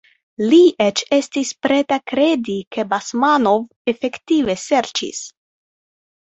Li eĉ estis preta kredi, ke Basmanov efektive ŝercis.